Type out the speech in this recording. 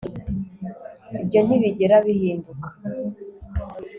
Ibyo ntibigera bihinduka